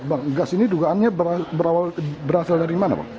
bang gas ini dugaannya berasal dari mana pak